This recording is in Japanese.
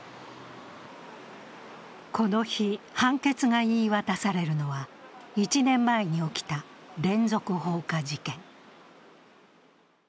この日、判決が言い渡されるのは１年前に起きた連続放火事件。